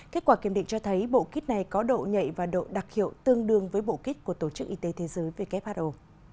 kết quả kiểm định cho thấy bộ kit này có độ nhạy và độ đặc hiệu tương đương với bộ kít của tổ chức y tế thế giới who